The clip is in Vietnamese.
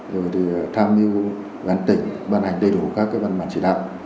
rồi thì tham mưu gắn tỉnh bàn hành đầy đủ các cái văn bản chỉ đạo